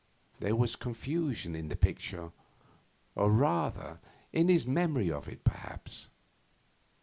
There was confusion in the picture, or rather in his memory of it, perhaps.